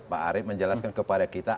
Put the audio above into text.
pak arief menjelaskan kepada kita